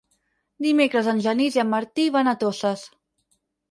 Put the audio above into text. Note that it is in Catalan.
Dimecres en Genís i en Martí van a Toses.